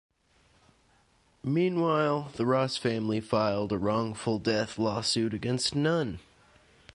Meanwhile, the Ross family filed a wrongful-death lawsuit against Nunn.